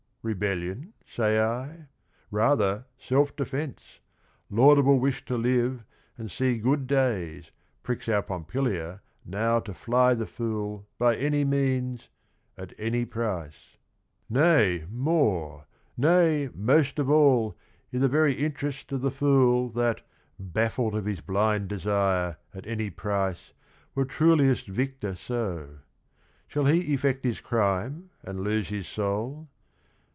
Rebellion, say I? — rather, self defence, Laudable wish to live and see good days, Pricks our Pompilia now to fly the fool By any means, at any price, — nay, more, 144 THE RING AND THE BOOK Nay, most of all, i' the very interest O' the fool that, baffled of his blind desire At any price, were truliest victor so. Shall he effect his crime and lose his soul?